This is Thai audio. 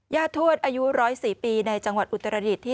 แย่ทวชอายุ๑๐๔ในจังหวัดอุตรดิศที่